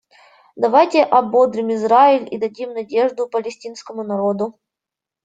Давайте ободрим Израиль и дадим надежду палестинскому народу.